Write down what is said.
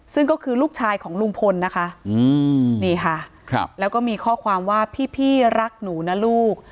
ซึ่งก็คือลูกชายของลุงพลนะคะนี่ค่ะแล้วก็มีข้อความว่าพี่รักหนูนะลูก